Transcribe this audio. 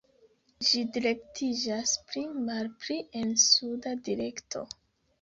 Ĝi direktiĝas pli malpli en suda direkto.